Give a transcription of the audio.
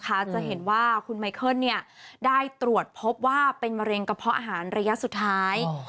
จะเห็นว่าคุณไมเคิลได้ตรวจพบว่าเป็นมะเร็งกระเพาะอาหารระยะสุดท้าย